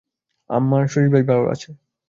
আমার শরীর বেশ ভাল আছে।